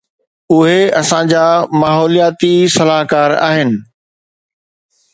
اهي اسان جا ماحولياتي صلاحڪار آهن.